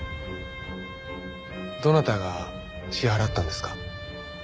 どなたが支払ったんですか？